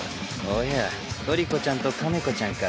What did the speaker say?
おや鶏子ちゃんと亀子ちゃんか。